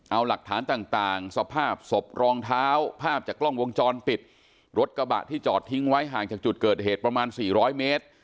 เอาหลักฐานต่างสภาพศพรองเท้าภาพจากกล้องวงจรปิดรถกระบะที่จอดทิ้งไว้ห่างจากจุดเกิดเหตุประมาณสี่ร้อยเมตร